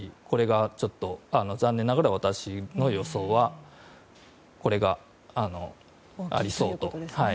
これがちょっと残念ながら私の予想はこれがありそうと。